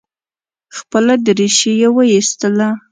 خپله درېشي یې وایستله.